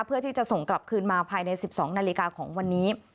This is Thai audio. เพื่อที่จะส่งกลับคืนมาภายใน๑๒นาฬิกาของวันนี้